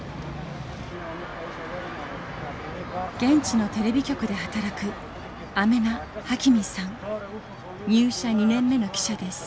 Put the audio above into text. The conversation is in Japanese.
現地のテレビ局で働く入社２年目の記者です。